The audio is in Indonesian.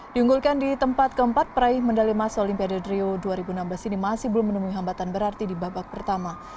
diunggulkan di tempat keempat peraih medali mas olimpiade rio dua ribu enam belas ini masih belum menemui hambatan berarti di babak pertama